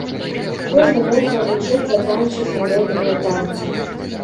Кожны мог навучыцца танчыць народныя танцы.